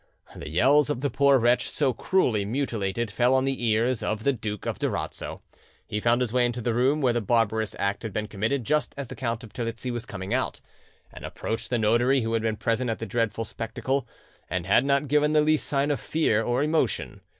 The yells of the poor wretch so cruelly mutilated fell on the ears of the Duke of Durazzo: he found his way into the room where the barbarous act had been committed just as the Count of Terlizzi was coming out, and approached the notary, who had been present at the dreadful spectacle and had not given the least sign of fear or emotion.